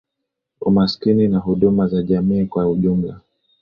umasikini na huduma za jamii kwa ujumla